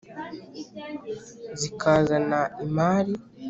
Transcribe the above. Zikazana imali,